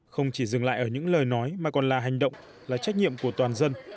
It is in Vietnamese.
không chỉ dừng lại ở những lời nói mà còn là hành động là trách nhiệm của toàn dân